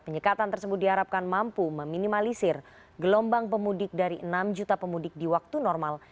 penyekatan tersebut diharapkan mampu meminimalisir gelombang pemudik dari enam juta pemudik di waktu normal